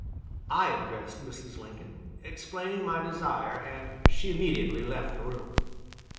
I addressed Mrs. Lincoln, explaining my desire, and she immediately left the room.